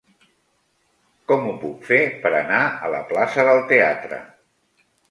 Com ho puc fer per anar a la plaça del Teatre?